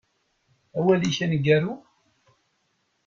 Awal-ik aneggaru?